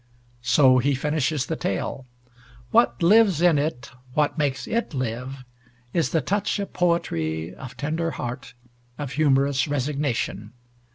So he finishes the tale. What lives in it, what makes it live, is the touch of poetry, of tender heart, of humorous resignation.